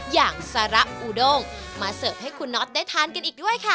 อย่างสาระอูด้งมาเสิร์ฟให้คุณน็อตได้ทานกันอีกด้วยค่ะ